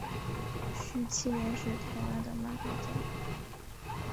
徐麒麟是台湾的漫画家。